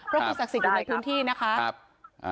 ก็คือศักดิ์สิทธิ์อยู่ในพื้นที่นะคะ